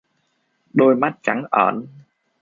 Đôi mắt trắng ởn